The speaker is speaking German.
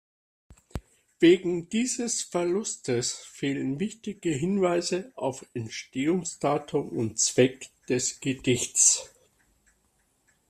Wegen dieses Verlustes fehlen wichtige Hinweise auf Entstehungsdatum und Zweck des Gedichts.